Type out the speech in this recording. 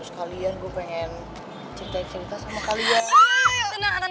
terus kalian gue pengen cerita cerita sama kalian